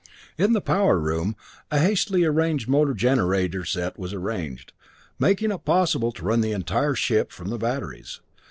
In the power room, a hastily arranged motor generator set was arranged, making it possible to run the entire ship from the batteries.